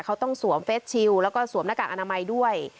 เขาต้องสวมเฟสชิลแล้วก็สวมหน้ากากอนามัยด้วย